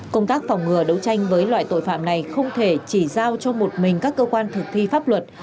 công tác phòng ngừa đấu tranh với loại tội phạm này không thể chỉ giao cho một mình các cơ quan thực thi pháp luật